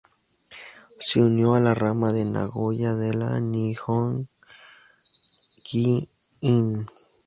Se unió a la rama de Nagoya de la Nihon Ki-In.